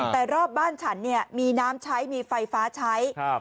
แต่รอบบ้านฉันเนี่ยมีน้ำใช้มีไฟฟ้าใช้ครับ